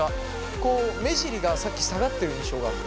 こう目尻がさっき下がってる印象があった。